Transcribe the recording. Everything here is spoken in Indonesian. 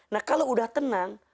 nah kalau sudah tenang